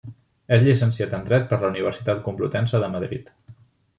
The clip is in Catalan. És llicenciat en Dret per la Universitat Complutense de Madrid.